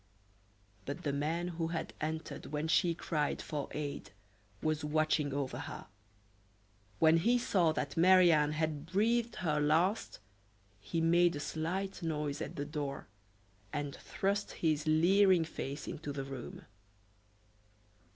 But the man who had entered when she cried for aid was watching over her. When he saw that Marie Anne had breathed her last, he made a slight noise at the door, and thrust his leering face into the room.